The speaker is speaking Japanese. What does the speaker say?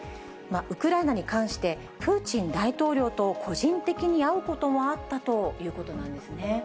ウクライナに関して、プーチン大統領と個人的に会うこともあったということなんですね。